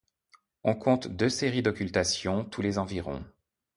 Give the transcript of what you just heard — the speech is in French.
On compte deux séries d'occultations tous les environ.